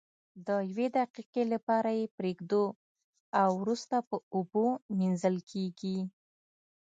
د یوې دقیقې لپاره یې پریږدو او وروسته په اوبو مینځل کیږي.